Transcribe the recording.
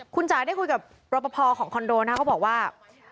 คุณจ๋าได้คุยกับรอปภของคอนโดนะเขาบอกว่า